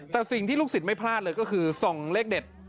แต่สิ่งที่ลูกศิษย์ไม่พลาดเลยก็คือส่องเลขเด็ด